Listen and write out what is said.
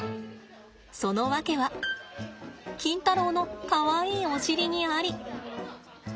そのわけはキンタロウのかわいいお尻にあり。